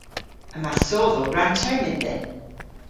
Yma sodhow rann-termyn dhyn.